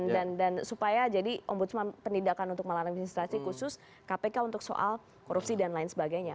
dan supaya jadi om budsman menindakkan untuk melarang administrasi khusus kpk untuk soal korupsi dan lain sebagainya